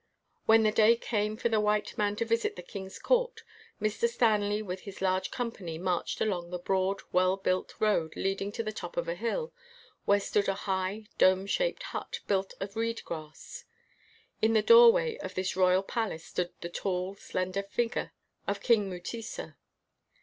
When the day came for the white man to visit the king's court, Mr. Stanley with his large company marched along a broad, well built road leading to the top of a hill, where stood a high, dome shaped hut built 8 INTERVIEW WITH A BLACK KING of reed grass. In the doorway of this royal palace stood the tall, slender figure of King Mutesa.